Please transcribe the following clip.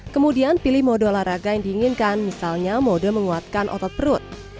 kemudian pilih mode olahraga yang diinginkan misalnya mode menguatkan otot perut